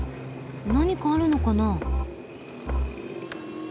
何かあるのかな？